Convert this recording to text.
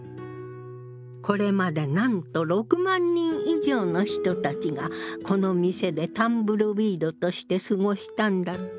これまでなんと６万人以上の人たちがこの店でタンブルウィードとして過ごしたんだって。